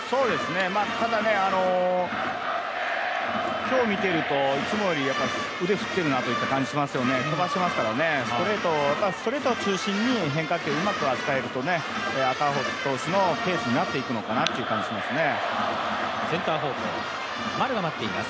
ただ、今日を見ているといつもより腕、振ってるなという感じがしますね、飛ばしてますからストレート中心に変化球をうまく扱えると赤星投手のペースになっていくのかなという感じがしますね。